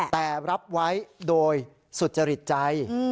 แต่รับไว้โดยสุจริตใจ